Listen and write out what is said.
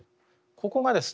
ここがですね